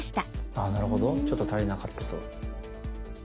あなるほどちょっと足りなかったと。